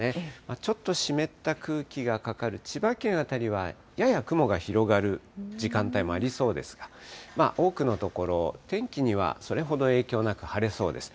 ちょっと湿った空気がかかる千葉県辺りは、やや雲が広がる時間帯もありそうですが、まあ、多くの所、天気にはそれほど影響なく晴れそうです。